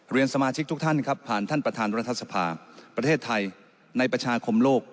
สมาชิกทุกท่านครับผ่านท่านประธานรัฐสภาประเทศไทยในประชาคมโลก